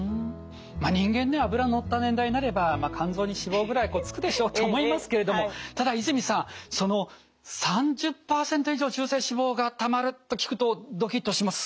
まあ人間ね脂乗った年代になれば肝臓に脂肪ぐらいつくでしょうと思いますけれどもただ泉さんその３０％以上中性脂肪がたまると聞くとドキッとします。